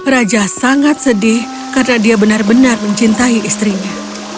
raja sangat sedih karena dia benar benar mencintai istrinya